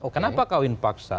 kenapa kawin paksa